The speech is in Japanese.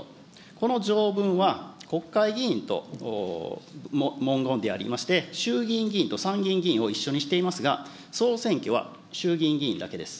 この条文は、国会議員と文言でありまして、衆議院議員と参議院議員を一緒にしていますが、総選挙は衆議院議員だけです。